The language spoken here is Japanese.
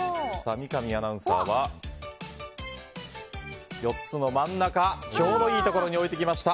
三上アナウンサーは４つの真ん中ちょうどいいところに置いてきました。